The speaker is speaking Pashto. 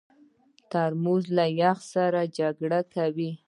ترموز له یخ سره جګړه کوي.